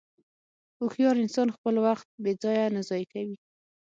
هوښیار انسان خپل وخت بېځایه نه ضایع کوي.